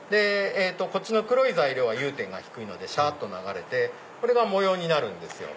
こっちの黒い材料は融点が低いのでしゃっと流れてこれが模様になるんですよ。